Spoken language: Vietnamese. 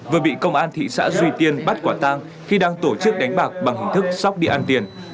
vừa bị công an thị xã duy tiên bắt quả tăng khi đang tổ chức đánh bạc bằng hình thức sóc điện an tiền